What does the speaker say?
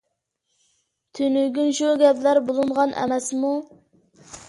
تۈنۈگۈن شۇ گەپلەر بولۇنغان ئەمەسمۇ.